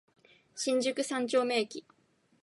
新宿三丁目駅